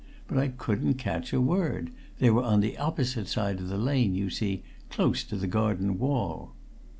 But I couldn't catch a word they were on the opposite side of the lane, you see, close to the garden wall."